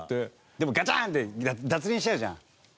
でもガチャン！って脱輪しちゃうじゃん左側が。